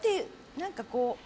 何かこう。